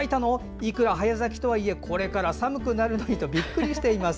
いくら早咲きとはいえこれから寒くなるのにとびっくりしています。